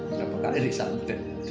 berapa kali disantai